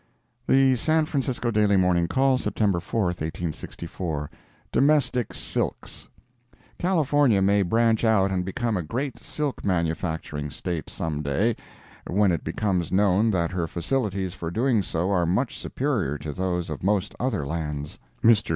The San Francisco Daily Morning Call, September 4, 1864 DOMESTIC SILKS California may branch out and become a great silk manufacturing State some day, when it becomes known that her facilities for doing so are much superior to those of most other lands. Mr.